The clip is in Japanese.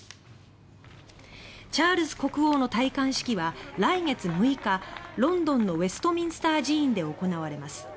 チャールズ国王の戴冠式は来月６日ロンドンのウエストミンスター寺院で行われます。